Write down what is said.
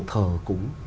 cũng thờ cúng